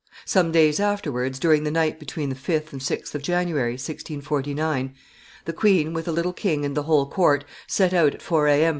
Some days afterwards, during the night between the 5th and 6th of January, 1649, the queen, with the little king and the whole court, set out at four A. M.